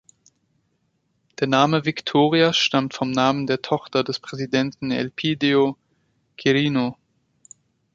Der Name Victoria stammt vom Namen der Tochter des Präsidenten Elpidio Quirino.